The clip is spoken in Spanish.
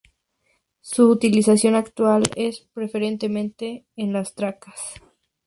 Su utilización actual es preferentemente en las tracas.